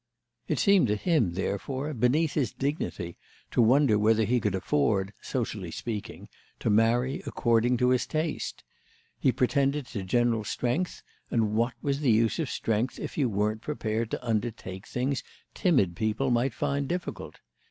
It seemed to him, therefore, beneath his dignity to wonder whether he could afford, socially speaking, to marry according to his taste. He pretended to general strength, and what was the use of strength if you weren't prepared to undertake things timid people might find difficult?